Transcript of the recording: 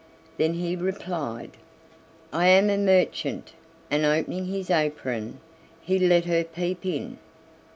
Then he replied: "I am a merchant," and opening his apron, he let her peep in.